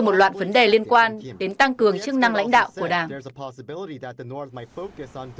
đoạn vấn đề liên quan đến tăng cường chức năng lãnh đạo của đảng